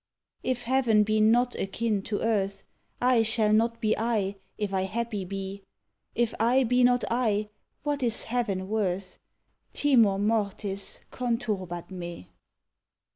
_ If heaven be not akin to earth, I shall not be I, if I happy be. If I be not I, what is heaven worth? _Timor mortis conturbat me.